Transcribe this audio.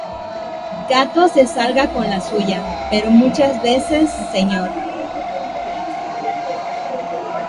Gato se salga con la suya, pero muchas veces Sr.